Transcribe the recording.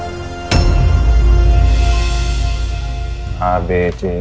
bila obatnya itu ya kan